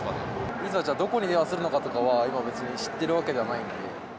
いざ、じゃあどこに電話するとかは別に知ってるわけじゃないので。